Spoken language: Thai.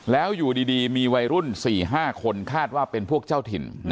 แล้วอยู่ดีมีวัยรุ่น๔๕คนคาดว่าเป็นพวกเจ้าถิ่น